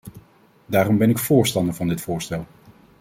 Daarom ben ik voorstander van dit voorstel.